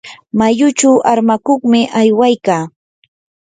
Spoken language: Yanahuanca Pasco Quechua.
mayuchu armakuqmi aywaykaa.